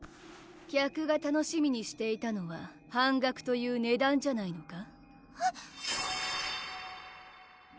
客が楽しみにしていたのは半額という値段じゃないのか？